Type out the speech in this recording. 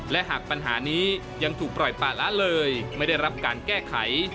และหากปัญหานี้ยังถูกปล่อยป่าละเลยไม่ได้รับการแก้ไข